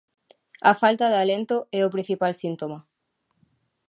A falta de alento é o principal síntoma.